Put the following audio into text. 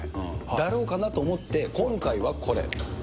だろうかなと思って、今回はこれ。